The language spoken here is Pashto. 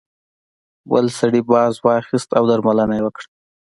بل سړي باز واخیست او درملنه یې وکړه.